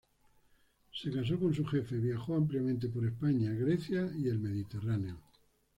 Se casó con su jefe, viajó ampliamente por España, Grecia y el Mediterráneo.